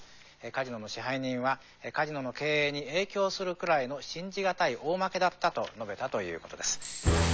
カジノの支配人はカジノの経営に影響するくらいの信じ難い大負けだったと述べたということです。